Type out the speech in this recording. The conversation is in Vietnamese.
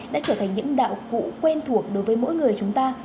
đã trở thành những đạo cũ quen thuộc đối với mỗi người chúng ta